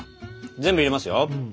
全部入れますよ。